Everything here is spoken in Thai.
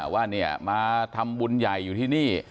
ว่าเนี่ยมาทำบุญใหญ่อยู่ที่นี่